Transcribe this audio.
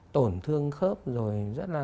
tổn thương khớp rồi rất là